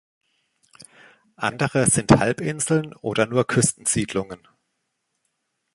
Andere sind Halbinseln oder nur Küstensiedlungen.